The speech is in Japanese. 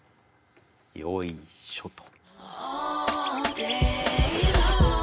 よいしょと。